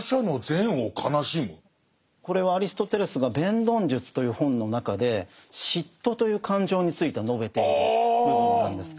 これはアリストテレスが「弁論術」という本の中で嫉妬という感情について述べている部分なんです。